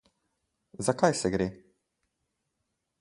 Za kaj se gre?